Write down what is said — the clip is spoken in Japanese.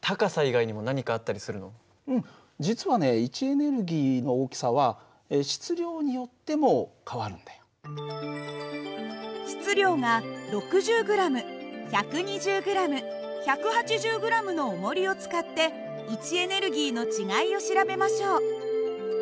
位置エネルギーの大きさは質量が６０ｇ１２０ｇ１８０ｇのおもりを使って位置エネルギーの違いを調べましょう。